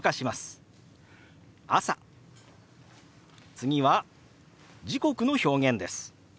次は時刻の表現です。